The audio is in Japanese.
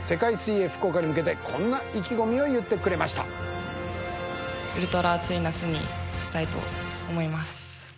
世界水泳福岡に向けてこんな意気込みを言ってくれました。と思います。